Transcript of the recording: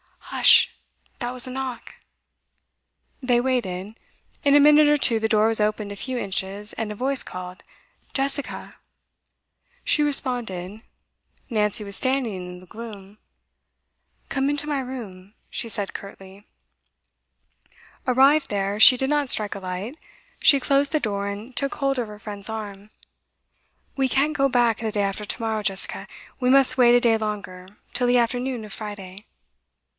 'Hush! That was a knock.' They waited. In a minute or two the door was opened a few inches, and a voice called 'Jessica!' She responded. Nancy was standing in the gloom. 'Come into my room,' she said curtly. Arrived there, she did not strike a light. She closed the door, and took hold of her friend's arm. 'We can't go back the day after to morrow, Jessica. We must wait a day longer, till the afternoon of Friday.